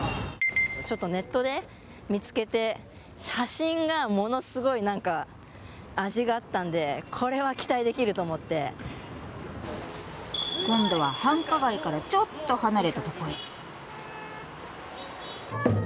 ちょっとネットで見つけて写真がものすごい何か味があったので今度は繁華街からちょっと離れたとこへ。